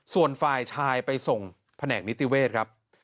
ส่วนฝ่ายชายไปส่งแผนกนิติเวศครับ